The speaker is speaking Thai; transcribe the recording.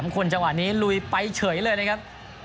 คนจังหวะนี้ลุยไปเฉยเลยนะครับ